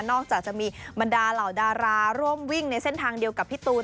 จากจะมีบรรดาเหล่าดาราร่วมวิ่งในเส้นทางเดียวกับพี่ตูน